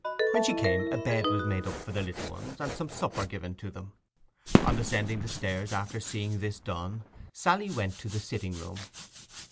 When she came a bed was made up for the little ones, and some supper given to them. On descending the stairs after seeing this done Sally went to the sitting room.